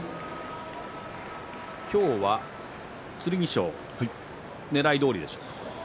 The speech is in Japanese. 今日は剣翔ねらいどおりでしょうか。